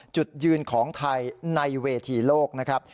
จุดยืนของไทยในเวทีโลกนะครับ